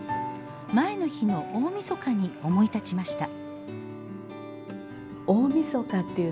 前の日の大みそかに思い立ちました。